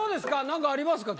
何かありますか？